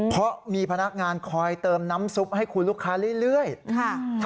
เพราะมีพนักงานคอยเติมน้ำซุปให้คุณลูกค้าเรื่อยค่ะ